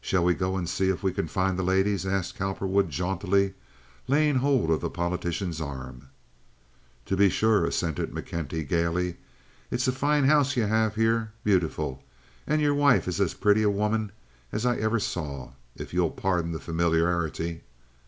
"Shall we go and see if we can find the ladies?" asked Cowperwood, jauntily, laying hold of the politician's arm. "To be sure," assented McKenty, gaily. "It's a fine house you have here—beautiful. And your wife is as pretty a woman as I ever saw, if you'll pardon the familiarity."